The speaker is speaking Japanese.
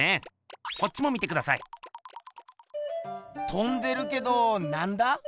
とんでるけどなんだ？